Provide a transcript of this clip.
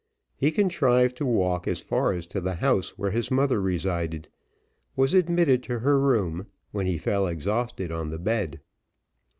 He contrived to walk as far as to the house where his mother resided, was admitted to her room, when he fell exhausted on the bed.